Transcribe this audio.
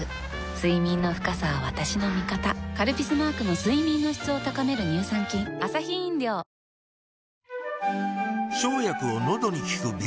睡眠の深さは私の味方「カルピス」マークの睡眠の質を高める乳酸菌ファミチキジャンボ！